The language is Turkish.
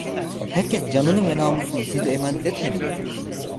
Herkes canını ve namusunu size emanet etmedi mi?